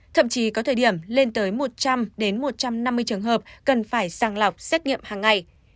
thậm chí có thời điểm lên tới một trăm linh một trăm năm mươi trường hợp cần phải sàng lọc xét nghiệm hàng ngày